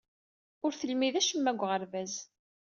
Ur d-telmid acemma deg uɣerbaz.